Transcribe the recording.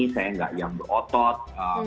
saya yang berotot